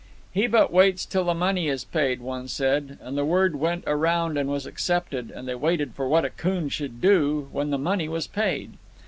"He but waits till the money is paid," one said; and the word went around and was accepted, and they waited for what Akoon should do when the money was paid.